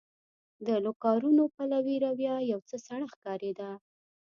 د لوکارنو پلوي رویه یو څه سړه ښکارېده.